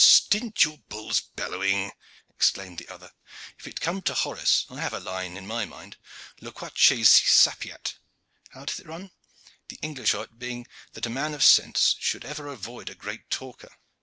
"Stint your bull's bellowing!" exclaimed the other. "If it come to Horace, I have a line in my mind: Loquaces si sapiat How doth it run? The English o't being that a man of sense should ever avoid a great talker.